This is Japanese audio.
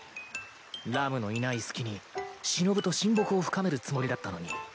ラムのいない隙にしのぶと親睦を深めるつもりだったのに